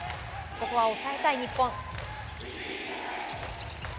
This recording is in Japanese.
ここは抑えたい日本。